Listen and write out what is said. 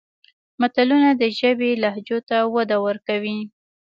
متلونه د ژبې لهجو ته وده ورکوي